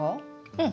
うん。